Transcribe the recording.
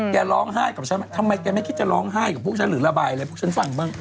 ทำไมแกที่จะคิดจะภูมิล้องไห้กับปุ๊กฉันหรือระบายกับพวกฉันบ้าง